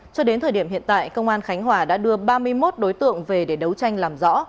cho đến thời điểm hiện tại công an khánh hòa đã đưa ba mươi một đối tượng về để đấu tranh làm rõ